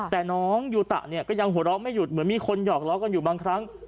แต่น้องยูตะเนี่ยก็ยังหัวเราะไม่หยุดเหมือนมีคนหอกล้อกันอยู่บางครั้ง